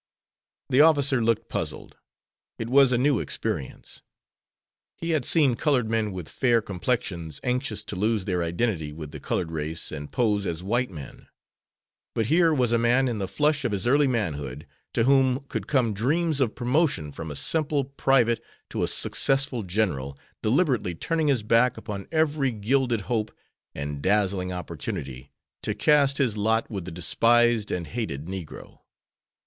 The officer look puzzled. It was a new experience. He had seen colored men with fair complexions anxious to lose their identity with the colored race and pose as white men, but here was a man in the flush of his early manhood, to whom could come dreams of promotion from a simple private to a successful general, deliberately turning his back upon every gilded hope and dazzling opportunity, to cast his lot with the despised and hated negro.